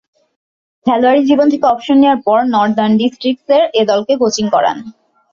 খেলোয়াড়ী জীবন থেকে অবসর নেয়ার পর নর্দার্ন ডিস্ট্রিক্টসের এ-দলকে কোচিং করান।